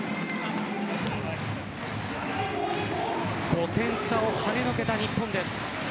５点差をはねのけた日本です。